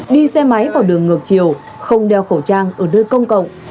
đi xe máy vào đường ngược chiều không đeo khẩu trang ở nơi công cộng